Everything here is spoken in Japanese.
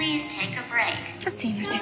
ちょっとすみません。